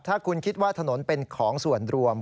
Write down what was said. ถ้าคุณคิดว่าถนนเป็นของส่วนรวม